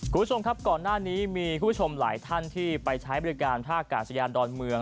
คุณผู้ชมครับก่อนหน้านี้มีคุณผู้ชมหลายท่านที่ไปใช้บริการท่ากาศยานดอนเมือง